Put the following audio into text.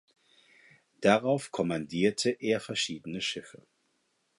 Darauf kommandierte er verschiedene Schiffe.